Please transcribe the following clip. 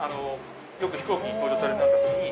よく飛行機に搭乗された時に。